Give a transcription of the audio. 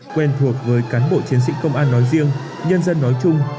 quen thuộc với cán bộ chiến sĩ công an nói riêng nhân dân nói chung